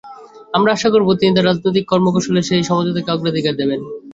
আমরা আশা করব, তিনি তাঁর রাজনৈতিক কর্মকৌশলেই সেই সমঝোতাকে অগ্রাধিকার দেবেন।